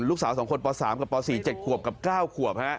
๒คนป๓กับป๔๗ขวบกับ๙ขวบ